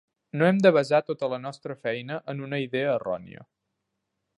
No hem de basar tota la nostra feina en una idea errònia.